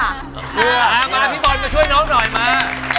เอาไว้มา